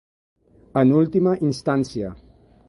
En última instància.